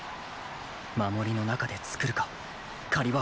守りの中で作るか狩り場を。